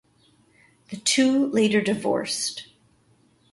The two later divorced.